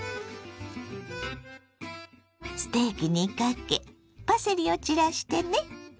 ステーキにかけパセリを散らしてね。